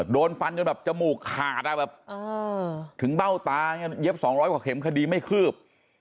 โดนฟันจนแบบจมูกขาดถึงเบ้าตาเย็บ๒๐๐กว่าเข็มคดีไม่คืบ